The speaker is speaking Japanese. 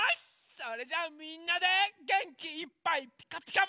それじゃあみんなでげんきいっぱい「ピカピカブ！」